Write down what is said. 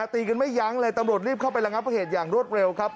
ตีกันไม่ยั้งเลยตำรวจรีบเข้าไประงับเหตุอย่างรวดเร็วครับ